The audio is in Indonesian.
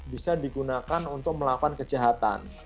bisa digunakan untuk melakukan kejahatan